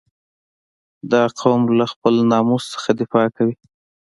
• دا قوم له خپل ناموس څخه دفاع کوي.